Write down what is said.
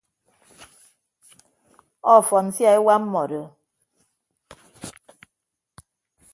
Ọfọn sia ewa mmọdo.